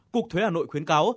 cục thuế hà nội khuyến cáo